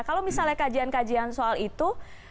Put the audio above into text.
kalau misalnya kajian kajian soal itu